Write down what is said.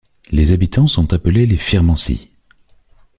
Les habitants sont appelés les firmensi.